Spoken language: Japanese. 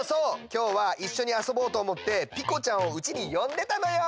きょうはいっしょにあそぼうとおもってピコちゃんをうちによんでたのよ！